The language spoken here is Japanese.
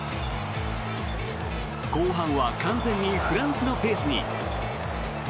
後半は完全にフランスのペースに。